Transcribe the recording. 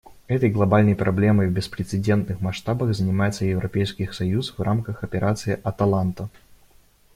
Этой глобальной проблемой в беспрецедентных масштабах занимается Европейский союз в рамках Операции «Аталанта».